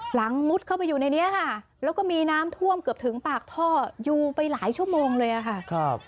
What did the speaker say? มุดเข้าไปอยู่ในนี้ค่ะแล้วก็มีน้ำท่วมเกือบถึงปากท่ออยู่ไปหลายชั่วโมงเลยค่ะ